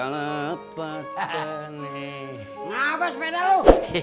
ngapain sepeda lu